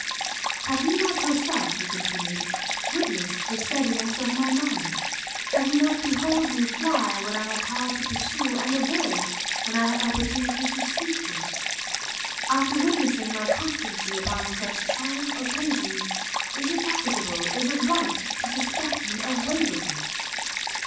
"Have you not yourself," he continued, "witnessed the steadiness of my mind? Have you not beheld me fly, when I had power to pursue, and avoid, when I had opportunity to seek you? After witnessing my constancy upon such trying occasions, is it equitable, is it right to suspect me of wavering?"